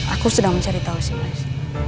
aku sedang mencari tahu sih mas